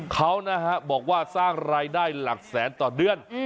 เขานะฮะบอกว่าสร้างรายได้หลักแสนต่อเดือน